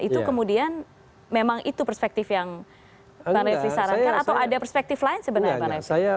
itu kemudian memang itu perspektif yang bang refi sarankan atau ada perspektif lain sebenarnya